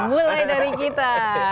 mulai dari kita